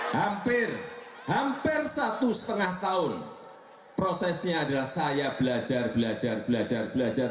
hampir hampir satu setengah tahun prosesnya adalah saya belajar belajar belajar belajar